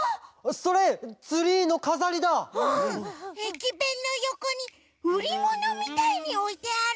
きべんのよこにうりものみたいにおいてある。